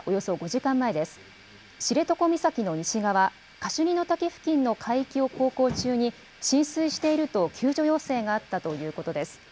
知床岬の西側、カシュニの滝付近の海域を航行中に、浸水していると救助要請があったということです。